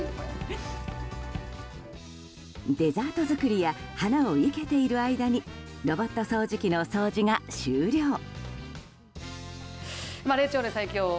デザート作りや花を生けている間にロボット掃除機の掃除が終了。